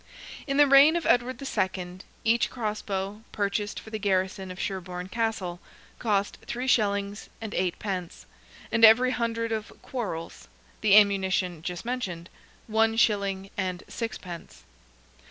In the reign of Edward II. each cross bow, purchased for the garrison of Sherborne Castle, cost 3 shillings and 8 pence; and every hundred of quarrels—the ammunition just mentioned—1 shilling and 6 pence.